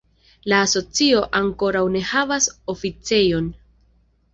La asocio ankoraŭ ne havas oficejon.